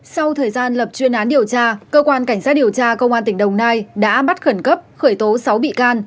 sau thời gian lập chuyên án điều tra cơ quan cảnh sát điều tra công an tỉnh đồng nai đã bắt khẩn cấp khởi tố sáu bị can